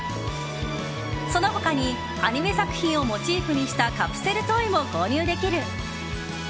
その他にアニメ作品をモチーフにしたカプセルトイも購入できる。